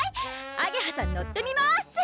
あげはさん乗ってみます！